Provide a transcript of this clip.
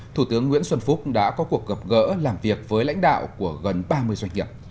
thủ tướng nguyễn xuân phúc đã có cuộc gặp gỡ làm việc với lãnh đạo của gần ba mươi doanh nghiệp